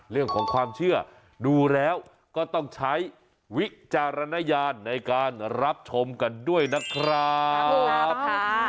เรื่องของความเชื่อดูแล้วก็ต้องใช้วิจารณญาณในการรับชมกันด้วยนะครับ